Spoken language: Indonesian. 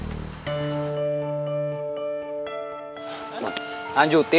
agus lanjutin aja ngobrolannya